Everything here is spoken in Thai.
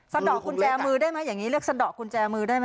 สะดอกกุญแจมือได้ไหมอย่างนี้เรียกสะดอกกุญแจมือได้ไหม